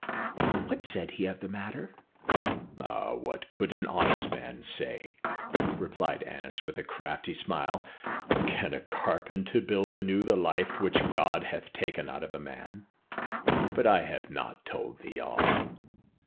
"What said he of the matter?" "What could an honest man say?" replied Annas with a crafty smile. "Can a carpenter build anew the life which God hath taken out of a man? But I have not told thee all.